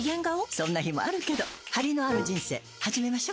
そんな日もあるけどハリのある人生始めましょ。